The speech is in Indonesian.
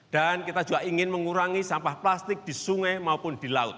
dan kita juga ingin mengurangi sampah plastik di sungai maupun di laut